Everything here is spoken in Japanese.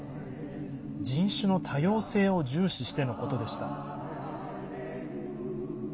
人種の多様性を重視してのことでした。